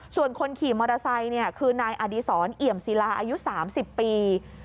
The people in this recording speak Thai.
ส่วนคนขี่มอเตอร์ไซค์คือนายอดีศรเอี่ยมศิลาอายุ๓๐ปี